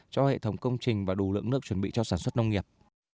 cho hệ thống công trình và đủ lượng nước chuẩn bị cho sản xuất nông nghiệp